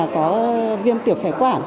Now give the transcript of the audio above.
có viêm tiểu phế quản